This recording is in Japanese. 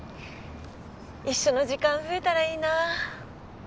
一緒の時間増えたらいいなあ。